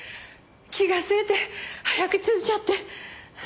気が急いて早く着いちゃって。